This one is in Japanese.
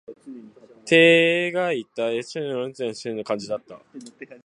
てえがいた、稗史的な娘の絵姿のような感じだった。